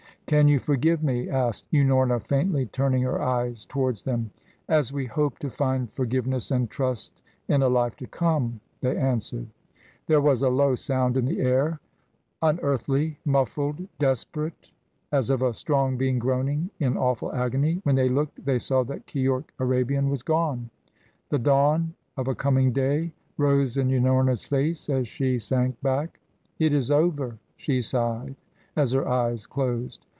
"Can you forgive me?" asked Unorna faintly, turning her eyes towards them. "As we hope to find forgiveness and trust in a life to come," they answered. There was a low sound in the air, unearthly, muffled, desperate as of a strong being groaning in awful agony. When they looked, they saw that Keyork Arabian was gone. The dawn of a coming day rose in Unorna's face as she sank back. "It is over," she sighed, as her eyes closed.